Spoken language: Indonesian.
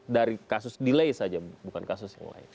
dari kasus delay saja bukan kasus yang lain